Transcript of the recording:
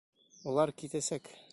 Улар китәсәк!